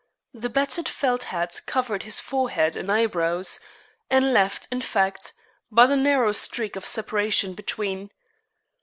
The battered felt hat covered his forehead and eyebrows, and left, in fact, but a narrow streak of separation between.